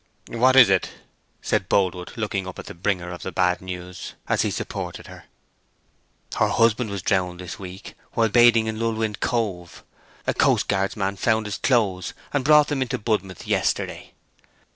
"What is it?" said Boldwood, looking up at the bringer of the big news, as he supported her. "Her husband was drowned this week while bathing in Lulwind Cove. A coastguardsman found his clothes, and brought them into Budmouth yesterday."